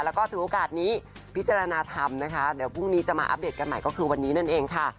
แล้วก็ถือโอกาสนี้พิจารณาทำนะคะเดี๋ยวพรุ่งนี้จะมาอัปเดตกันใหม่ก็คือวันนี้นั่นเองค่ะ